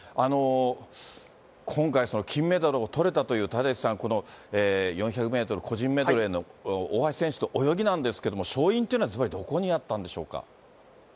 今回、金メダルをとれたという、立石さん、この４００メートル個人メドレーの大橋選手の泳ぎなんですけれども、勝因というのはずばりどこにあったんでしょうか。